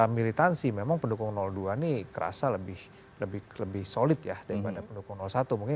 militansi memang pendukung dua nih kerasa lebih lebih solid ya daripada pendukung satu mungkin